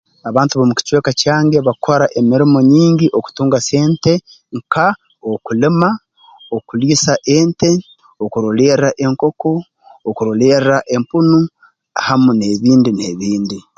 Abantu b'omu kicweka kyange bakora emirimo nyingi okutunga sente nka okulima okuliisa ente okurolerra enkoko okurolerra empunu hamu n'ebindi n'ebindi